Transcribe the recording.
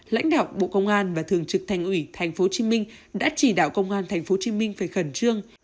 lãnh đạo bộ công an và thường trực thành ủy tp hcm đã chỉ đạo công an tp hcm phải khẩn trương